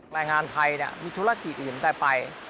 แรงงานไทยมีธุรกิจอื่นแต่ไป